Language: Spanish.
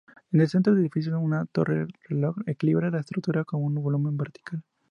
En el centro del edificio una torre-reloj equilibra la estructura con un volumen vertical.